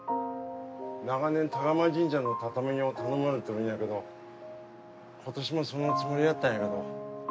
長年田蒲神社の畳を頼まれとるんやけど今年もそのつもりやったんやけど。